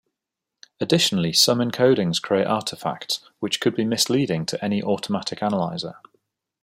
Additionally some encodings create artifacts which could be misleading to any automatic analyser.